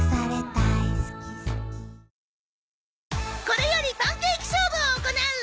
これよりパンケーキ勝負を行う